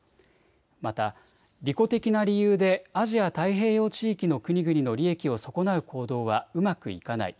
また、利己的な理由でアジア太平洋地域の国々の利益を損なう行動はうまくいかない。